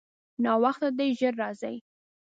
ناوخته دی، ژر راځئ.